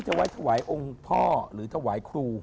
ตวายทหายองค์พ่อหรือตวายครู